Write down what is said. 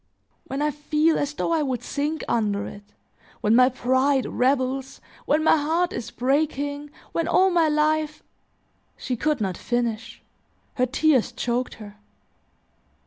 When I feel as though I would sink under it, when my pride rebels, when my heart is breaking, when all my life " She could not finish; her tears choked her.